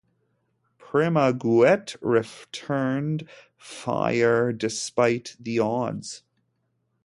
"Primauguet" returned fire despite the odds.